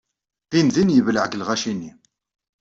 Dindin yebleɛ deg lɣaci-nni.